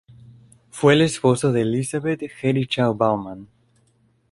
Fue el esposo de Elisabeth Jerichau-Baumann.